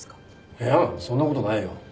いやそんな事ないよ。